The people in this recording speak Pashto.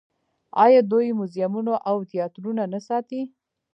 آیا دوی موزیمونه او تیاترونه نه ساتي؟